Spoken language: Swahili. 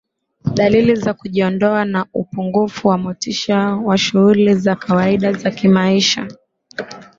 dalili za kujiondoa na upungufu wa motisha kwa shughuli za kawaida za kimaisha